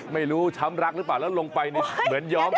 ไม่รู้ช้ำรักรึเปล่าแล้วลงไปเหมือนยอมสิ